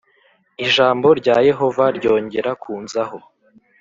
Ijambo rya Yehova ryongera kunzaho